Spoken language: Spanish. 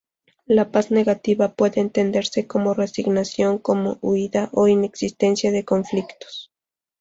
La paz negativa puede entenderse como resignación, como huida o inexistencia de conflictos.